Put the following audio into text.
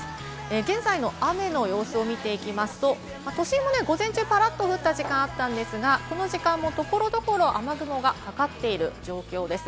現在の雨の様子を見ていきますと、都心も午前中、パラっと降った時間がありましたが、この時間も所々、雨雲がかかっている状況です。